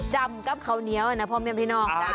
จำกับข้าวเนี๊ยวนะพ่อมียังไม่นอก